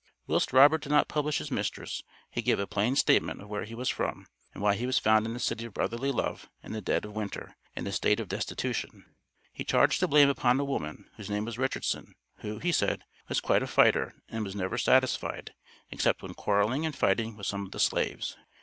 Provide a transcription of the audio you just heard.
Whilst Robert did not publish his mistress, he gave a plain statement of where he was from, and why he was found in the city of Brotherly Love in the dead of Winter in a state of destitution. He charged the blame upon a woman, whose name was Richardson, who, he said, was quite a "fighter, and was never satisfied, except when quarreling and fighting with some of the slaves."